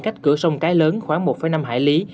cách cửa sông cái lớn khoảng một năm hải lý